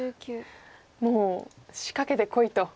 もう仕掛けてこいと。